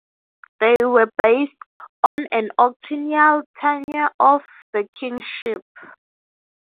They were based on an octennial tenure of the kingship.